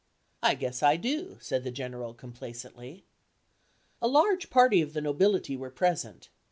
"I guess I do," said the General complacently. A large party of the nobility were present.